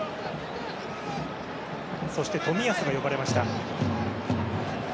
そして冨安が呼ばれました。